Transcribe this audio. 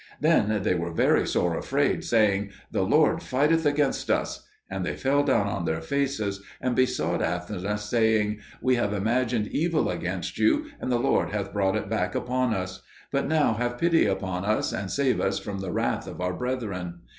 Then they were very sore afraid, saying, "The Lord fighteth against us." And they fell down on their faces and besought Aseneth, saying, "We have imagined evil against you, and the Lord hath brought it back upon us. But now have pity upon us, and save us from the wrath of our brethren."